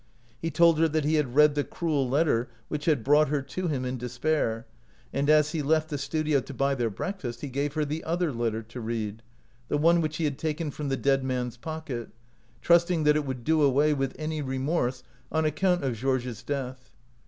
He told her that he had read the cruel letter which had brought her to him in despair ; and as he left 173 OUT OF BOHEMIA the studio to buy their breakfast, he gave her the other letter to read — the one which he had taken from the dead man's pocket — trusting that it would do away with any re morse on account of Georges' death.